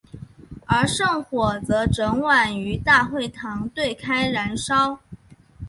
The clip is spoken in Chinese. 而圣火则整晚于大会堂对开燃烧。